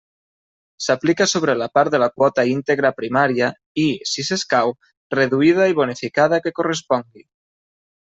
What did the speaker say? S'aplica sobre la part de la quota íntegra primària i, si s'escau, reduïda i bonificada que correspongui.